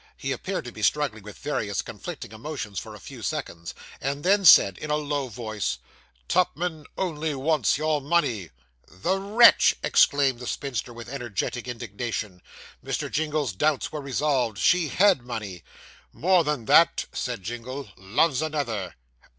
He appeared to be struggling with various conflicting emotions for a few seconds, and then said in a low voice 'Tupman only wants your money.' 'The wretch!' exclaimed the spinster, with energetic indignation. (Mr. Jingle's doubts were resolved. She had money.) 'More than that,' said Jingle 'loves another.